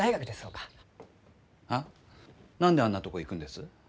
あ？何であんなとこ行くんです？